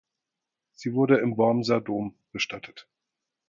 Sie wurde im Wormser Dom bestattet.